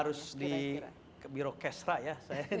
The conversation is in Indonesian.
saya harus di birokesra ya